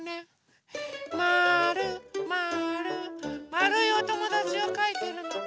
まるいおともだちをかいてるの。